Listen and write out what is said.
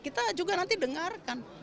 kita juga nanti dengarkan